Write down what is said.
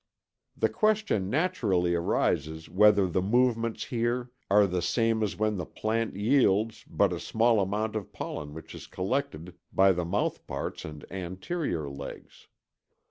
The question naturally arises whether the movements here are the same as when the plant yields but a small amount of pollen which is collected by the mouthparts and anterior legs.